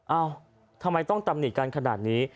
เอ้าทำไมต้องตำหนิกันขนาดนี้